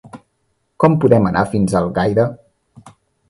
Com podem anar fins a Algaida?